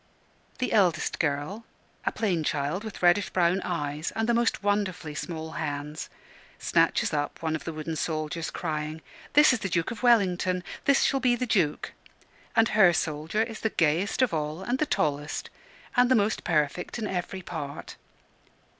The eldest girl, a plain child with reddish brown eyes, and the most wonderfully small hands, snatches up one of the wooden soldiers, crying, "This is the Duke of Wellington! This shall be the Duke!" and her soldier is the gayest of all, and the tallest, and the most perfect in every part.